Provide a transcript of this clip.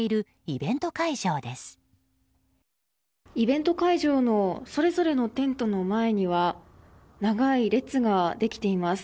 イベント会場のそれぞれのテントの前には長い列ができています。